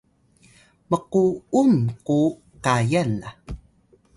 mku’um ku kayan la